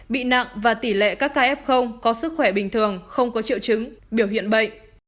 bị nặng và tỷ lệ các ca f có sức khỏe bình thường không có triệu chứng biểu hiện bệnh